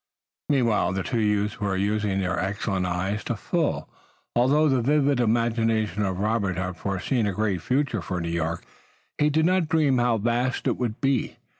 Meanwhile the two youths were using their excellent eyes to the full. Although the vivid imagination of Robert had foreseen a great future for New York he did not dream how vast it would be.